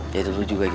ya itu tuh juga gitu